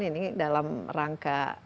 ini dalam rangka